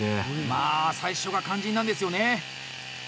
まあ、最初が肝心なんですよね。